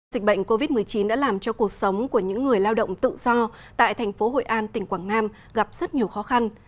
dịch bệnh covid một mươi chín đã làm cho cuộc sống của những người lao động tự do tại thành phố hội an tỉnh quảng nam gặp rất nhiều khó khăn